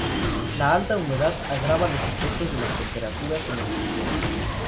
La alta humedad agrava los efectos de las temperaturas en los residentes.